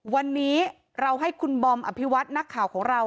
วันนี้เราให้คุณบอมอภิวัตินักข่าวของเรา